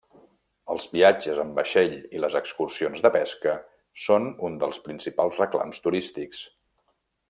Els viatges en vaixell i les excursions de pesca són un dels principals reclams turístics.